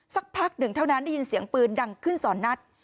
สักพักหนึ่งเท่านั้นได้ยินเสียงปืนดังขึ้น๒นัด